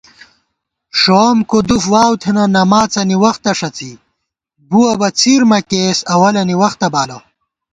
ݭووَم کُدُف واؤ تھنہ نماڅَنی وختہ ݭڅی، بَوُو بہ څِیر مہ کېئیس اَولَنی وخت بالہ